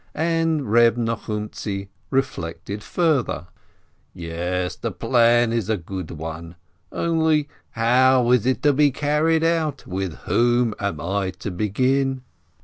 And Reb Nochumtzi reflected further : "Yes, the plan is a good one. Only, how is it to be carried out? With whom am I to begin?"